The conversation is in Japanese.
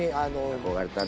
憧れたね。